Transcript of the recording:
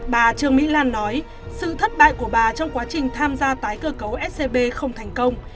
bà trương mỹ lan nói sự thất bại của bà trong quá trình tham gia tái cơ cấu scb không thành công